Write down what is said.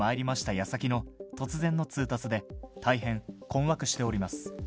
やさきの突然の通達で、大変困惑しております。